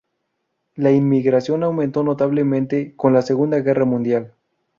La inmigración aumentó notablemente con la Segunda Guerra Mundial.